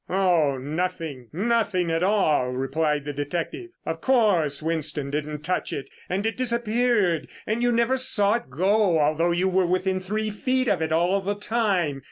"Oh nothing, nothing at all," replied the detective. "Of course Winston didn't touch it and it disappeared and you never saw it go, although you were within three feet of it all the time.